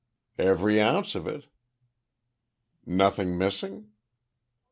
"Every ounce of it." "Nothing missing?"